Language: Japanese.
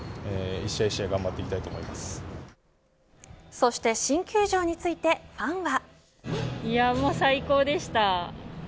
そして新球場についてファンは。